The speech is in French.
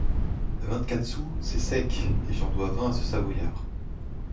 Vingt-quatre sous ! c’est sec ! et j’en dois vingt à ce Savoyard…